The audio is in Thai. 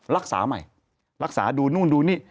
รักษาใหม่รักษาดูนู่นดูนี่